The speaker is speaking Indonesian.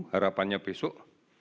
dua harapannya besok